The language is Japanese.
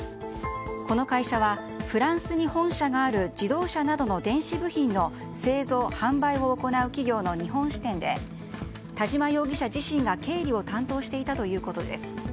この会社はフランスに本社がある自動車などの電子部品の製造・販売を行う企業の日本支店で、田嶋容疑者自身が経理を担当していたということです。